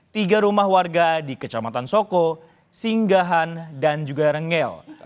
tiga rumah warga di kecamatan soko singgahan dan juga rengel